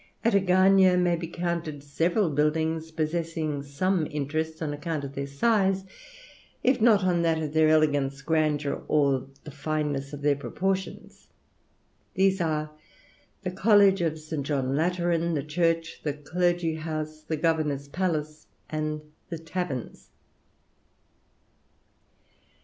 At Agagna may be counted several buildings possessing some interest on account of their size, if not on that of their elegance, grandeur, or the fineness of their proportions. These are the College of St. John Lateran, the church, the clergy house, the governor's palace, and the taverns.